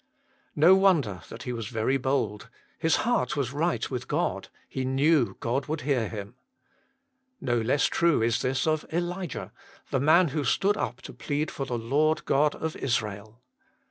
No wonder that he was very bold : his heart was right with God : he knew God would hear him. No less true is this of Elijah, the man who stood up to plead for the Lord God of Israel.